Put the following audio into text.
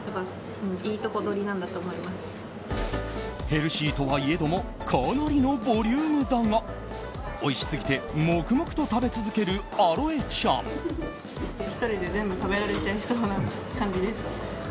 ヘルシーとはいえどもかなりのボリュームだがおいしすぎて黙々と食べ続けるあろえちゃん。